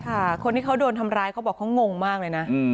คนที่เขาโดนทำร้ายเขาบอกเขางงมากเลยนะ